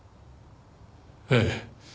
ええ。